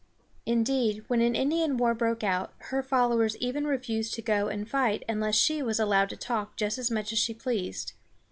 Indeed, when an Indian war broke out, her followers even refused to go and fight unless she was allowed to talk just as much as she pleased.